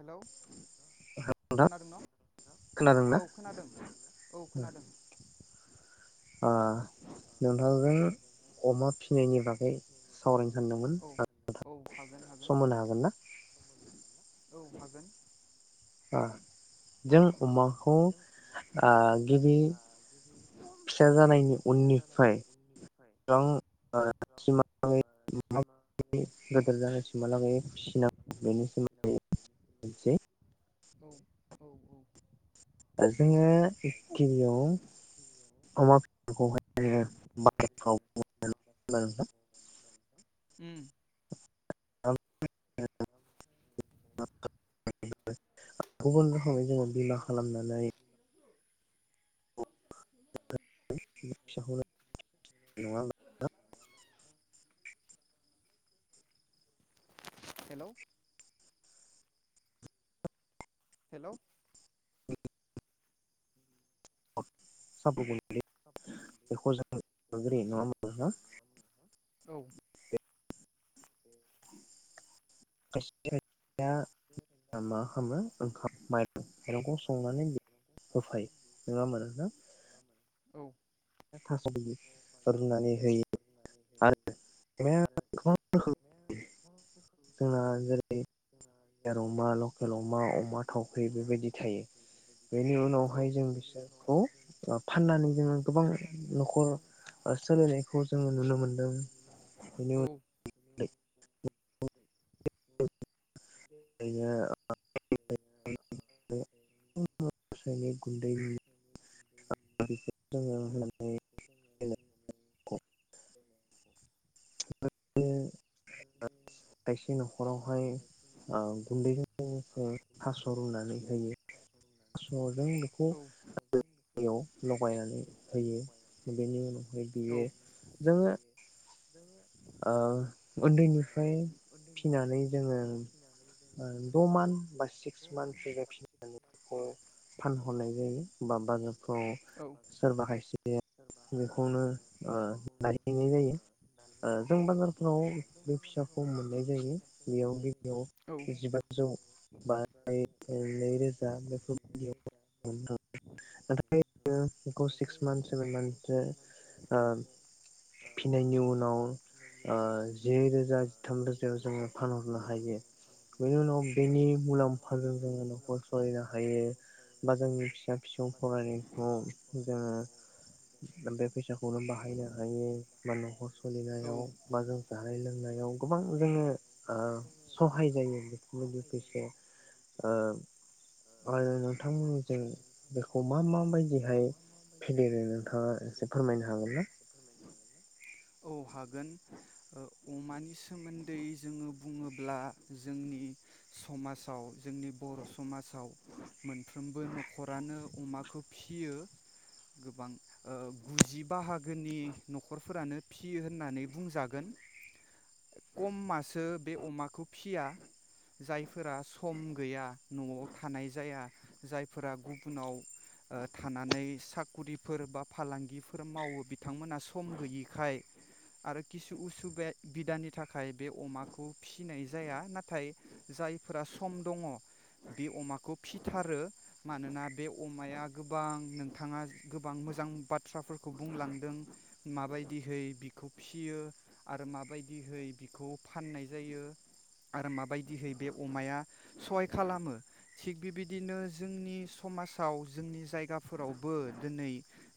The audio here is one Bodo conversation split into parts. हेलौ खोनादों न औ खोनादों औ खोनादों ओ नोंथांजों अमा फिनायनि बागै सावरायनो सानदोंमोन औ नोंथां सम होनो हागोन ना? ओ जों अमाखौ ओ गिबि फिसा जानायनि उननिफ्राय गोबां ओ [unintelligible] गोदोर जानायसिमहा लागै फिसिनां [unintelligible] औ [unintelligible] उम [unintelligible] गुबुन रोखोमै जोङो बिमा खालामनानै [unintelligible] हेलौ। हेलौ। [unintelligible] अ सबि होनो बे बेखौ जोंङो नङाहोमबा नोंथां। औ। खायसे खाय या मा खालामो ओंखाम माइरं माइरंखौ संनानै बो होफायो नङा होनबा नोंथां। बायदि फोरोंनानै होयो आरो बे गोहोम होन [unintelligible] यार अमा लकेल अमा अमा थावख्रि बेबायदि थायो बेनि उनावहाय जों बिसोरखौ ओ फाननानै जोङो फाननानै जोङो गोबां नखर सोलिनायखौ जों नुनो मोनदों औ। [unintelligible] [inaudible] [unintelligible] बाख [unintelligible] [unintelligible] खायसे नखरावहाय ओ गुन्दैजों लोगोसे थास रुनानै होयो थासजों बेखौयाव दैयाव लगायनानै होयो बेनि उनावहाय बियो जोङो जोङो ओ उन्दैनिफ्राय फिनानै जोङो द मान्थ बा सिक्स मान्थसो जों फिनानै बेखौ फानहरनाय जायो बा बाजारफ्राव सोरबा खायसे बेखौनो ओ नायहैनाय जायो। ओ जों बाजारफोराव बे फिसाखौ मोननाय जायो बेयाव गिबियाव जिबाजौ बा नैरोजा बेफोरबायदियाव नाथाय बेखौ सिक्स मान्थ सेभेन मान्थसो फिनायनि उनाव ओ जि रोजा जिथाम रोजायाव जोङो फानहरनो हायो। बेनि उनाव बेनि मुलाम्फाजों जोङो न'खर सलायनो हायो बा जोंनि फिसा फिसौ फरायनायखौ जोङो बे फैसाखौनो बाहायनो हायो बा न'खर सोलिनाय। याव बा‌ जानाय लोंनायाव गोबां जोङो सहाय जायो बेफोरबायदि फैसा ओ आरो नोंथांमोननिजों बेखौ मा माबायदिहाय फेदेरो नोंथाङा एसे फोरमायनो हागोन ना। औ हागोन ओ अमानि सोमोन्दै जोङो बुङोब्ला जोंनि समासाव जोंनि बर' समासाव मोनफ्रोमबो नखरानो अमाखौ फिसियो गोबां ओ गुजि बाहा गोनि नख'रफोरानो फियो होन्नानै बुंजागोन। खमासो बे अमाखौ फिया जायफोरा सम गैया नआव थानाय जाया जायफोरा गुबुनाव ओ थानानै साख'रिफोर बा फालांगि फोर मावो बिथांमोना स सम गैयिखाय आरो खिसु उसु बे बिदानि थाखाय बे अमाखौ फिनाय जा जाया नाथाय जायफोरा सम दङ बे अमाखौ फिथारो। मानोना बे अमाया गोबां नोंथाङा गोबां मोजां बाथ्राफोरखौ बुंलांदों माबायदिहै बिखौ फियो आरो माबायदिहै बिखौ फान्नाय जायो। ‌ आरो माबायदिहै बे अमाया सहाय खालामो थिग बेबायदिनो जोंनि समाजाव जोंनि जायगाफोरावबो दोनै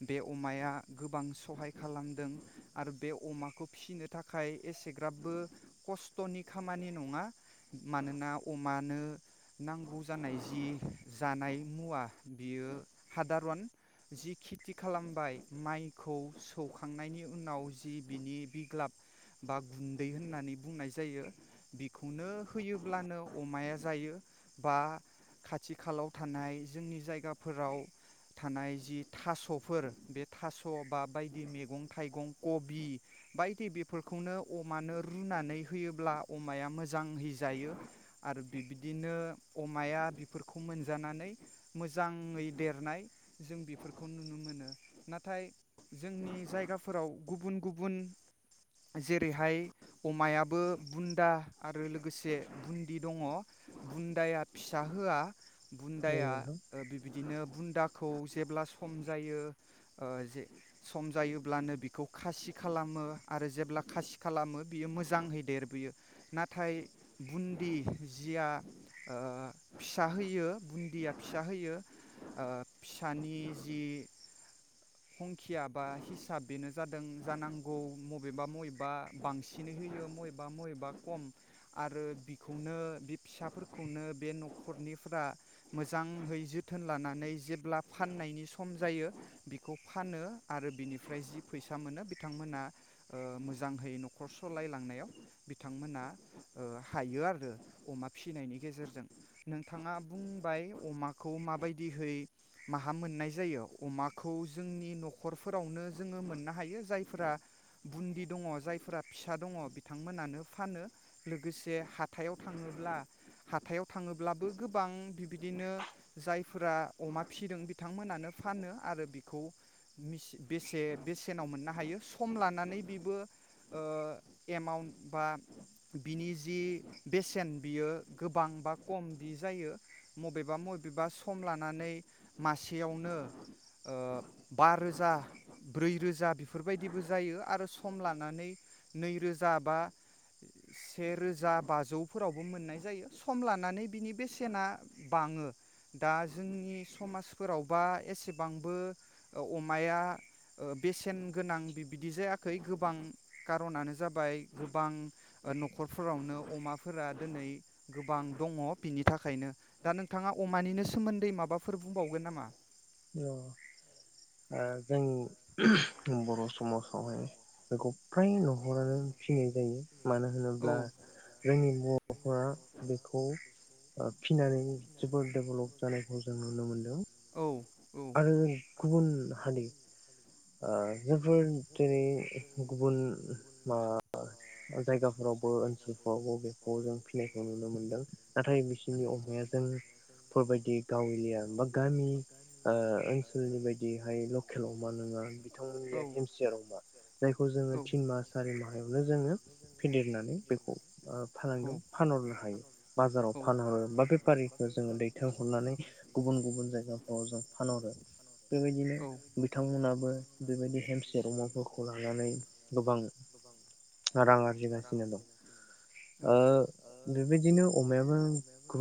बे अमाया गोबां सहाय खालामदों। आरो बे अमाखौ फिनो थाखाय एसेग्राबबो खस्थनि खामानि नङा मानोना अमानो नांगौ जानाय जि जानाय मुवा बियो हादारन। जि खेथि खालामबाय माइखौ सौखांनायनि उनाव जि बिनि बिग्लाब बा गुन्दै होन्नानै बुंनाय जायो बेखौनो होयोब्लानो अमाया जायो बा खाथि खालाव थानाय जोंनि जायगाफोराव थानाय जि थास'फोर बे थास' बा बायदि मेगं थाइगं कबि बायदि बेफोरखौनो अमानो रुनानै होयोब्ला अमाया मोजाङै जायो आरो बिब्दिनो अमाया बेफोरखौ मोनजानानै मोजाङै देरनाय जों बेफोरखौ नुनो मोनो। नाथाय जोंनि जायगाफोराव गुबुन गुबुन जेरैहाय अमायाबो बुन्दा आरो लोगोसे बुन्दि दङ बुन्दाया फिसा होआ बुन्दाया ओ बिबायदिनो बुन्दा खौ जेब्ला सम जायो ओ सम जायोब्लानो बिखौ खासि खालामो आरो जेब्ला खासि खालामो बियो मोजाङै देर यो नाथाय बुन्दि जिया ओ फिसा होयो बुन्दिया फिसा होयो। ओ फिसानि जि हंखिया बा हिसाब बेनो जादों जानांगौ मबेबा मबेबा बांसिनै होयो मबेबा मबेबा खम आरो बिखौनो बे फिसाफोरखौनो बे नख'रनिफ्रा मोजाङै जोथोन लानानै जेब्ला फान्नायनि सम जायो बिखौ फानो आरो बिनिफ्राय जि फैसा मोनो बिथांमोना ओ मोजांहै नख'र सालायलांनायाव बिथांमोना ओ हायो आरो अमा फिनायनि गेजेरजों नोंथाङा बुंबाय अमाखौ माबायदिहै माहा मोन्नाय जायो अमाखौ जोंनि नख'रफोरावनो जोङो मोन्नो हायो जायफोरा बुन्दि दङ जायफोरा फिसा दङ बिथांमोनानो फानो। लोगोसे हाथायाव थाङोब्ला हाथायाव थाङोब्लाबो गोबां बिदिनो जायफोरा अमा फिदों बिथांमोनानो फानो आरो खौ मिसि बेसे बेसेनाव मोननो हायो सम लानानै बिबो एमाउन्ट बा बिनि जि बेसेन बियो गोबां बा खम बि जायो। मबेबा मबेबा सम लानानै मासेयावनो ओ बा रोजा ब्रैरोजा बेफोरबायदिबो जायो आरो सम लानानै नैरोजा बा सेेरोजा बाजौफोरावबो मोन्नाय जायो सम लानानै बिनि बेसेना बाङो। दा जोंनि समाजफोरावबा एसेबां बो ओ अमाया ओ बेसेन गोनां बिबायदि जायाखै गोबां खारनानो जाबाय गोबां ओ नख'रफोरावनो अमाफोरा दोनै गोबां दङ बिनि थाखायनो। दा नोंथाङा अमानिनो सोमोन्दै माबाफोर बुंबावगोन नामा? जों ओ बर' समाजावहाय बेखौ फ्राय नख'रानो फिनाय जायो मानो होनोब्ला जोंनि बर'फोरा बेखौ फिनानै जोबद डेभेलप जानायखौ जों नुनो मोन्दों। आरो गुबुन हारि ओ जायफोर जेरै गुबुन ओ जायगाफोरावबो ओन्सोलफोरावबो बेखौ जों फिनायखौ नुनो मोन्दों। नाथाय बिसोरनि अमाया जोंफोरबायदि गावलिया बा गामि ओ ओन्सोलनि बायदिहाय लकेल अमा नङा बिथांमोननिया हेमसियार मा जायखौ जोङो थिन माह सारि माहावनो जोङो फेदेरनानै बेखौ ओ फालांगियाव फानहरनो हायो बाजाराव फानहरो। फारिखौ जोङो दैथायांहरनानै गुबुन गुबुन जायगाफ्राव जों फानहरो बेबायदिनो बिथांमोनाबो बो बेबायदि हेमसियार अमाफोरखौ लानानै गोबां रां आरजिगासिनोमोन औ बेबायदिनो अमायाबो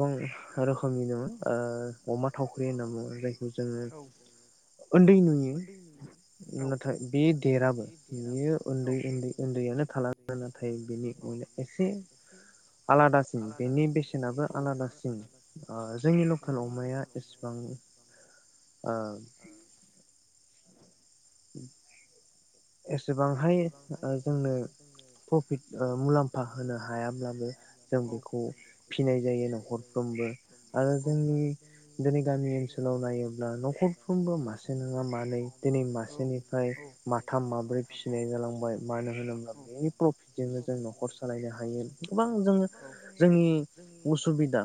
रोखोमनि दङ ओ अमा थावख्रि होन्ना बुङो जायखौ जोङो उन्दै नुयो। नाथाय बे देराबो बियो ओन्दै ओन्दै ओटन्दैयैनो थालाङो नाथाय बेनि अने एसे आलादासिन बेनि बेसेनाबो आलादासिन। आ जोंनि लकेल अमाया एसिबां आ [inaudible] एसेबांहाय ओ जोंनो प्रफिट ओ मुलाम्फा होनो हायाब्लाबो जों बेखौ फिनाय जायो न'खरफ्रोमबो आरो जोंनि दिनै गामि ओनसोलाव नायोब्ला न'खरफ्रोमबो मासे नङा मानै दिनै मासे निफ्राय माथाम माब्रै माब्रै फिसिनाय जालांबाय मानो होन ज नखर सालायनो हायोबां जोङ जोंनि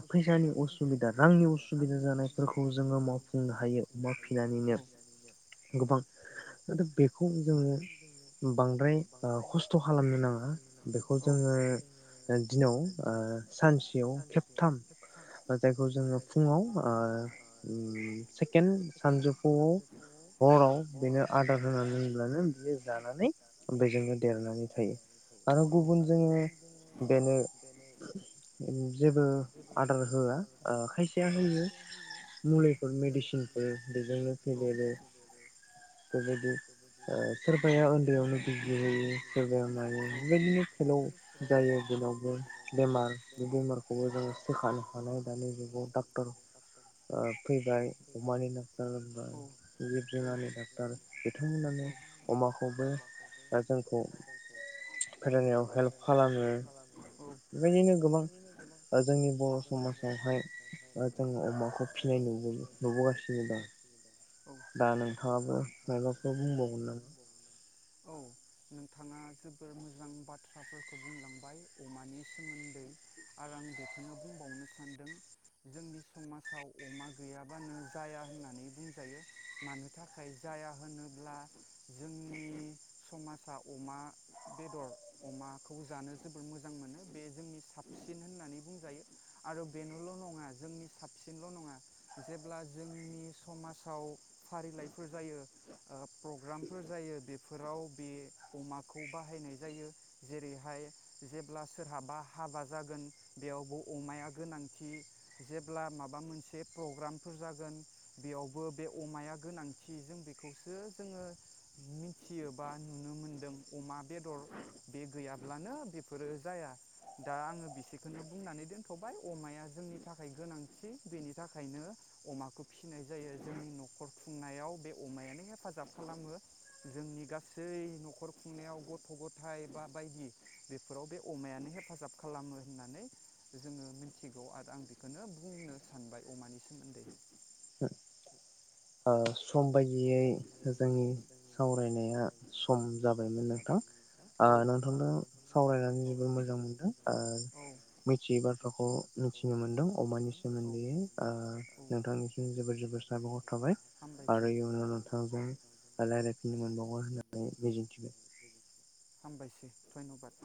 उसुबिदा फैसानि उसुबिदा रांनि उसुबिदा जानायफोरखौ जोङो मावफुंनो हायोनानैनो दाथा बेखौ जोङो बांद्राय ओ खस्थ' खालामनो नाङा बेखौ जोङो ओ दिनाव ओ सानसेयाव खेबथाम जायखौ जोङो फुङाव ओ उम सेकेणड सानजौफुआव हराव बेनो आदार होनानै दोनब्लानो जानानै बेजोंनो देरनानै थायो आरो गुबुन जोङो बेनो जेबो आदार होआ खायसेया ओ होयो मुलिफोर मेडिसिनफोर बेजोंनो फेदेरो बेबादि ओ सोरबाया ओन्दैयावनो बिजि हैयो सोरबाया नाय बेबायदिनो खेलाव जायो जेरावबो बेमार बे बेमारखौबो जोङो सोखानो हानाय दानि जुगाव डाक्टर ओ फैबाय अमानि डाक्टर होनबाय जिब जुनानि डाक्ट थार बिथांमोना अमाखौबो जोंखौ फरायनायाव हेल्प खालामो जोंनिनो गोबां ओ जोंनि बर' समाजावहाय जों अमाखौ फिसिनाय नुबो नुबोगासिनो दं दा नोंथाङाबो मायबाखौ बुंबावगोन‌ नामा औ नोंथाङा जोबोर मोजां बाथ्राफोरखौ बुंलांबाय अमानि सोमोन्दै आरो आं बेखौनो बुंबावनो सानदों जोंनि समाजाव अमा गैयाबानो जाया होननानै बुंजायो मानो थाखाय जाया होनो अब्ला जोंनि समाजा अमा बेदर अमाखौ जानो जोबोर मोजां मोनो बे जोंनि साबसिन होननानै बुंजायो आरो बेनोल नङा जोंनि साबसिनल नङा जेब्ला जोंनि समाजाव फारिलाइफोर जायो ओ प्रग्रामफोर जायो बेफोराव बे अमाखौ बाहायनाय जायो। जेरैहाय जेब्ला सोरहाबा हाबा जागोन बेयावबो अमाया गोनांथि जेब्ला माबा मोनसे प्रग्रामफोर जागोन बेयावबो बे अमाया गोनांथि जों बेखौसो जोङो मिथियो बा नुनो मोनदों अमा बेदर बे गैयाब्लानो बेफोरो जाया दा आङो बिसोरखौनो बुंनानै दोनथबाय अमाया जोंनि थाखाय गोनांथि बेनि थाखायनो अमाखौ फिनाय जायो जोंनि नखर खुंनायाव बे अमायानो हेफाजाब खालामो जोंनि गासै न'खर खुंनायाव गथ गथाय बा बायदि बेफोराव बे अमायानो हेफाजाब खालामो होननानै जोङो मिथिगौ आरो आं बेखौनो बुंनो सानबाय अमानि सोमोन्दै ओ सम बायदियै जों नि सावरायनाया सम जाबायमोन नोंथां ओ नोंथांनो सावरायनानै जोबोर मोजां मोनदों ओ मिथियै बाथ्राखौ मिथिनो मोनदों अमानि सोमोन्दै ओ नोंथांनिसिम जोबोर जोबोर साबायखर बाय आरो इयुनाव नोंथांजों रायलायफिननो मोनबावगोन होननानै मिजिंथिबाय। हामबायसै धन्यबाद।